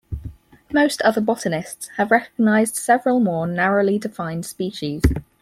Most other botanists have recognized several more narrowly defined species.